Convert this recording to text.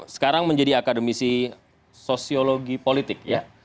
sekarang menjadi akademisi sosiologi politik